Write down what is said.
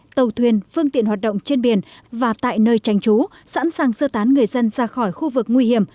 tàu thuyền phương tiện hoạt động trên biển và tại nơi tranh trú sẵn sàng sơ tán người dân ra khỏi khu vực nguy hiểm